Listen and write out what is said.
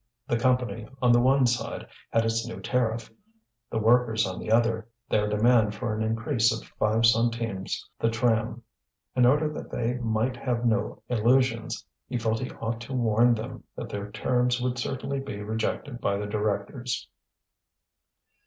The Company, on the one side, had its new tariff; the workers, on the other, their demand for an increase of five centimes the tram. In order that they might have no illusions, he felt he ought to warn them that their terms would certainly be rejected by the directors.